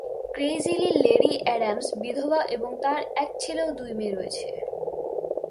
ক্রেইজিলির lady Adams বিধবা এবং তার এক ছেলে ও দুই মেয়ে রয়েছে।